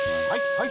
はい。